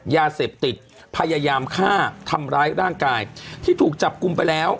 ยาเสพติดพยายามฆ่าทำร้ายร่างกายที่ถูกจับกลุ่มไปแล้ว